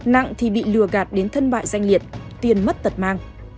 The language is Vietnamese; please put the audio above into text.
nặng thì bị lừa gạt đến thân bại danh liệt tiền mất tật mang